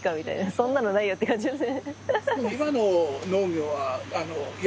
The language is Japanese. そんなのないよって感じですね。